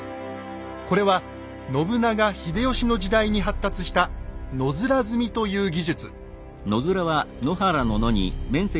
これは信長・秀吉の時代に発達した「野面積み」という技術。